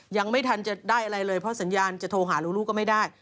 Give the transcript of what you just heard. ยังไม่ทันจะได้อะไรเลยเพราะสัญญาณจะโทรหาลูกก็ไม่ได้